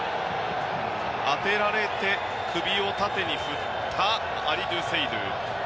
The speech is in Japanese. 当てられて首を縦に振ったアリドゥ・セイドゥ。